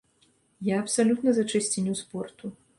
Я абсалютна за чысціню спорту.